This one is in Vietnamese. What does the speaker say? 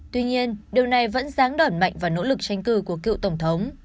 tuy nhiên điều này vẫn dáng đoạn mạnh vào nỗ lực tranh cử của cựu tổng thống